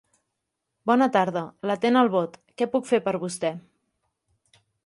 Bona tarda, l'atén el Bot, què puc fer per vostè?